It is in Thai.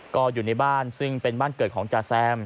ก็อยู่ในบ้านซึ่งเป็นบ้านเกิดของจาแซม